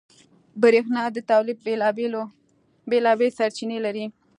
برېښنا د تولید بېلابېل سرچینې لري.